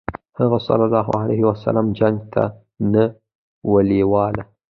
هغه ﷺ جنګ ته نه و لېواله.